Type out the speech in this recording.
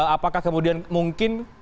apakah kemudian mungkin